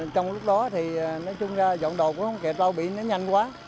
trong lúc đó thì nói chung ra dọn đồ cũng không kẹt đâu bị nó nhanh quá